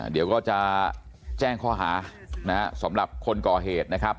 เดี๋ยวก็จะแจ้งข้อหาสำหรับคนก่อเหตุนะครับ